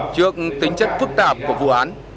trước tính chất phức tạp của vụ án